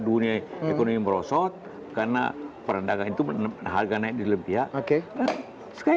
dunia ekonomi merosot karena perendahannya itu menemukan harganya di lebih ya oke sekali